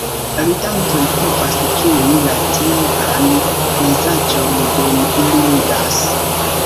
Ludantoj povas ĝui la tiean pejzaĝon, dum ili ludas.